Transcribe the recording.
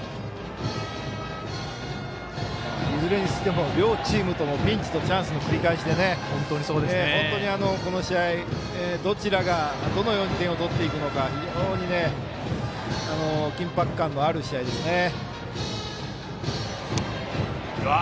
いずれにしても両チームピンチとチャンスの繰り返しで本当にこの試合、どちらがどのように点を取っていくのか非常に緊迫感のある試合ですね。